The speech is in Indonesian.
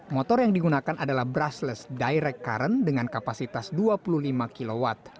motor yang digunakan adalah brushless direct current dengan kapasitas dua puluh lima kw